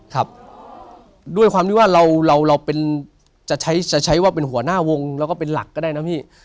ครับด้วยความที่ว่าเราจะใช้จะใช้ว่าเป็นหัวหน้าวงแล้วก็เป็นหลักก็ได้นะพี่